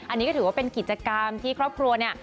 อันนี้ก็ถือว่าเป็นกิจกรรมที่ครอบครัวเนี่ย